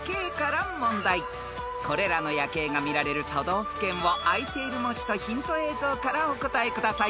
［これらの夜景が見られる都道府県をあいている文字とヒント映像からお答えください］